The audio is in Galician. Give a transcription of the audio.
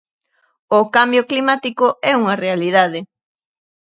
O cambio climático é unha realidade.